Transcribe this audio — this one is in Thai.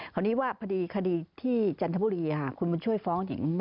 เพราะนนนีพอคดีที่จันทบุรีคุณมึงช่วยฟ้อง